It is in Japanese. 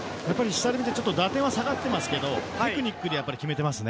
打点は下がっていますがテクニックで決めていますね。